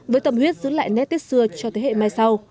với tâm huyết giữ lại nét tết xưa cho thế hệ mai sau